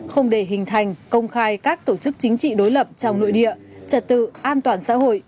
không để hình thành công khai các tổ chức chính trị đối lập trong nội địa trật tự an toàn xã hội